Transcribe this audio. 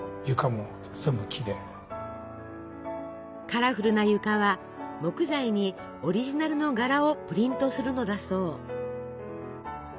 カラフルな床は木材にオリジナルの柄をプリントするのだそう。